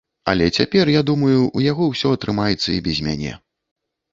Але цяпер, я думаю, у яго ўсё атрымаецца і без мяне.